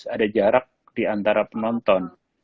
ada jarak di antara penonton